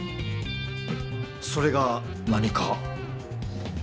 それが何か？